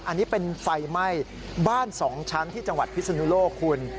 อันนี้เป็นไฟไหม้บ้าน๒ชั้นที่จังหวัดพิศนุโลกคุณ